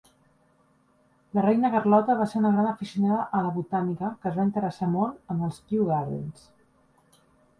La reina Carlota va ser una gran aficionada a la botànica que es va interessar molt en els Kew Gardens.